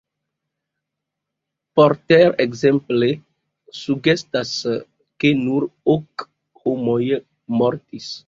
Porter ekzemple sugestas, ke nur ok homoj mortis.